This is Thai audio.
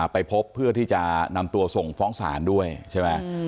ไปพบเพื่อที่จะนำตัวส่งฟ้องศาลด้วยใช่ไหม